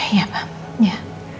iya pak iya